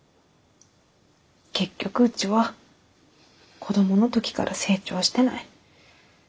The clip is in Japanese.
結局うちは子供の時から成長してない。